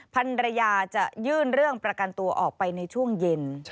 ภรรยาจะยื่นเรื่องประกันตัวออกไปในช่วงเย็น